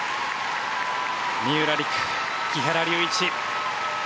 三浦璃来、木原龍一。